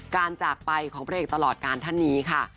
จากไปของพระเอกตลอดการท่านนี้ค่ะ